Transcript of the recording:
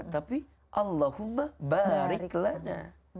tapi allahumma bariklana